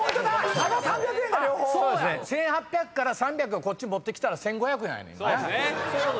１，８００から３００をこっち持ってきたら「１，５００」やねんな。